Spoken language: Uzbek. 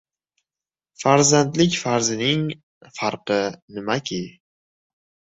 Farzandlik farzining farqi nimaki